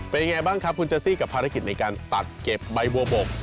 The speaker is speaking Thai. เป็นยังไงบ้างครับคุณเจซี่กับภารกิจในการตักเก็บใบบัวบก